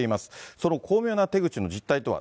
その巧妙な手口の実態とは。